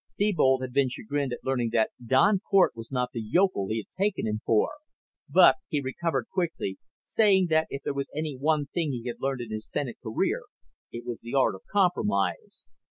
Thebold had been chagrined at learning that Don Cort was not the yokel he had taken him for. But he recovered quickly, saying that if there was any one thing he had learned in his Senate career it was the art of compromise.